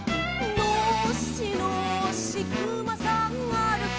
「のっしのっしくまさんあるき」